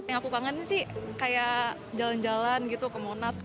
yang aku kangenin sih kayak jalan jalan gitu ke monas